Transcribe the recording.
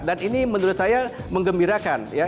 dan ini menurut saya mengembirakan